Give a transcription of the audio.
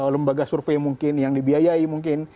lembaga survei mungkin yang dibiayai mungkin